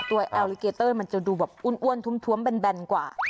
ตัวเอลลิเกเตอร์มันจะดูแบบอุ่นถุ้มแบนกว่า